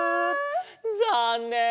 ざんねん！